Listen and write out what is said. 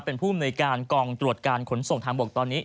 เป็นผู้อำนวยการกองตรวจการขนส่งทางบกตอนนี้